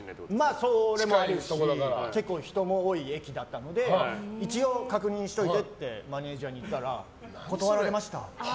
まあ、それもあるし結構、人も多い駅だったので一応、確認しておいてってマネジャーに言ったら断られましたって。